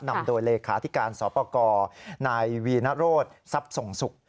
นำโดยเลขาธิการสปกรนายวีนโรศทรัพย์ส่งสุข